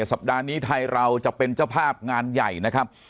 สัปดาห์นี้ไทยเราจะเป็นเจ้าภาพงานใหญ่นะครับ